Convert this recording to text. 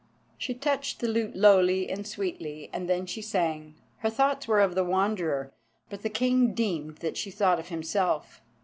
She touched the lute lowly and sweetly, and then she sang. Her thoughts were of the Wanderer, but the King deemed that she thought of himself.